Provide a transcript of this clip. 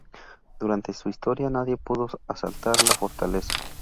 Durante su historia nadie pudo asaltar la fortaleza.